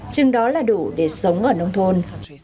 chừng đó là đủ để sống ở nông thôn